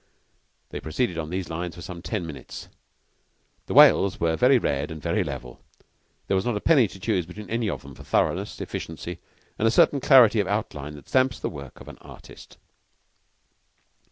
They proceeded on these lines for some ten minutes. The wales were very red and very level. There was not a penny to choose between any of them for thoroughness, efficiency, and a certain clarity of outline that stamps the work of the artist.